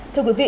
thưa quý vị